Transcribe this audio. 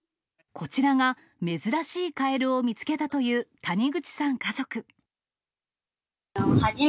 こちらが珍しいカエルを見つけたという谷口さん家族。